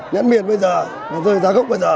nhãn miệt bây giờ nó rơi ra gốc bây giờ